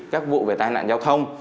các vụ về tai nạn giao thông